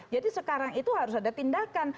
jadi sekarang itu harus ada tindakan